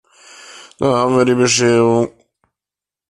Da haben wir die Bescherung!